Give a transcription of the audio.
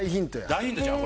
大ヒントちゃう？